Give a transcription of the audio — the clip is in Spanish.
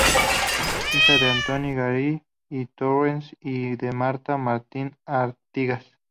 Hija de Antoni Garriga i Torrents y de Marta Martín Artigas.